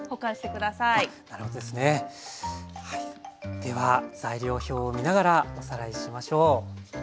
では材料表を見ながらおさらいしましょう。